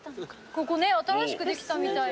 ここね新しくできたみたい。